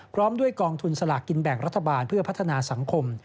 พร้อมด้วยกองทุนสลากกินแบ่งรัฐบาลเพื่อพัฒนาสังคม